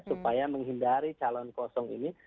supaya menghindari calon kosong ini